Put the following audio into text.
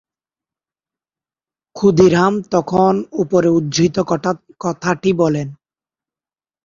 ক্ষুদিরাম তখন ওপরে উদ্ধৃত কথাটি বলেন।